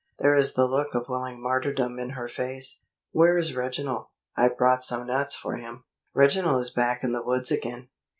"There is the look of willing martyrdom in her face. Where is Reginald? I've brought some nuts for him." "Reginald is back in the woods again."